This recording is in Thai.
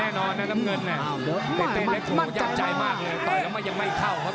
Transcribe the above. วันนี้ต้องวัดกระดิ่งหัวใจของตั้งแต่คนที่สารเล็กนะครับ